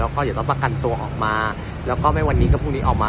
แล้วก็เดี๋ยวต้องประกันตัวออกมาแล้วก็ไม่วันนี้ก็พรุ่งนี้ออกมา